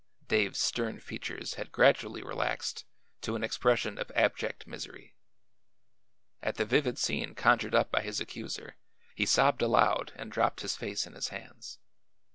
Dave's stern features had gradually relaxed to an expression of abject misery. At the vivid scene conjured up by his accuser he sobbed aloud and dropped his face in his hands.